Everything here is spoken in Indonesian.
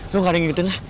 lu gak ada yang ngikutin ya